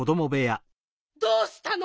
どうしたの？